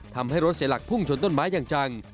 ทำให้รถเสียหลักพุ่งชนต้นไม้อย่างจัง